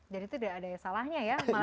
jadi itu tidak ada salahnya ya